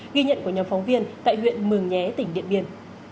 ghi nhận của nhóm phóng viên tại huyện mường nhé tỉnh điện biên